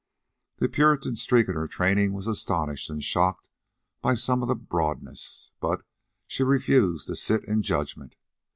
The puritan streak in her training was astonished and shocked by some of the broadness; but she refused to sit in judgment.